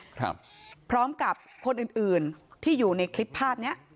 ครับพร้อมกับคนอื่นอื่นที่อยู่ในคลิปภาพเนี้ย